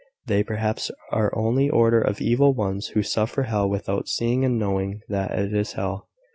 They, perhaps, are the only order of evil ones who suffer hell without seeing and knowing that it is hell.